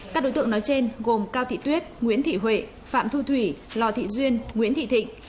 các đối tượng nói trên gồm cao thị tuyết nguyễn thị huệ phạm thu thủy lò thị duyên nguyễn thị thịnh